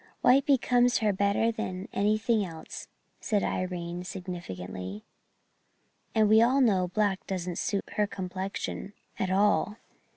"White becomes her better than anything else," said Irene significantly. "And we all know black doesn't suit her complexion at all.